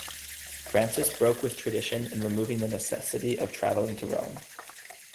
Francis broke with tradition in removing the necessity of traveling to Rome.